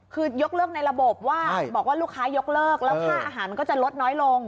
คือยกเลิกในระบบว่าบอกว่าลูกค้ายกเลิกแล้วค่าอาหารมันก็จะลดน้อยลง